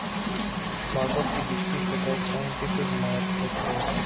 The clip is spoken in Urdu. معرفت کی دوسری سطح "سائنٹیفک معرفت" ہے۔